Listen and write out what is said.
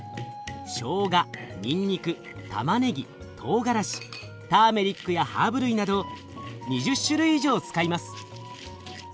しょうがにんにくたまねぎトウガラシターメリックやハーブ類など２０種類以上使います。